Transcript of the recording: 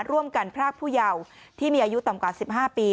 ร่วมกันพรากผู้เยาว์ที่มีอายุต่ำกว่า๑๕ปี